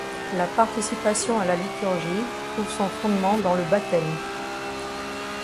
La participation à la liturgie trouve son fondement dans le baptême.